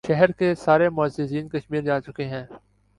شہر کے سارے معززین کشمیر جا چکے ہیں